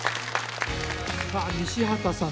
さあ西畑さん